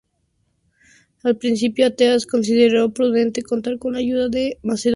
Al principio Ateas consideró prudente contar con la ayuda de Macedonia.